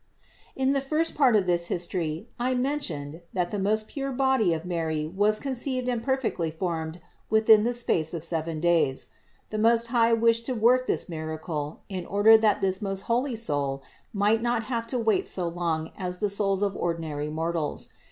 16. In the first part of this history (Part I, 219), I mentioned, that the most pure body of Mary was con ceived and perfectly formed within the space of seven days. The Most High wished to work this miracle, in order that this most holy soul might not have to wait so long as the souls of ordinary mortals.